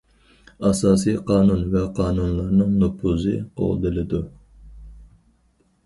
ئاساسىي قانۇن ۋە قانۇنلارنىڭ نوپۇزى قوغدىلىدۇ.